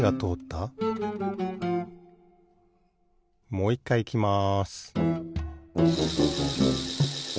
もういっかいいきます